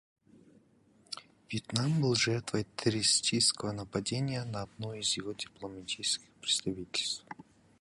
Вьетнам был жертвой террористического нападения на одно из его дипломатических представительств.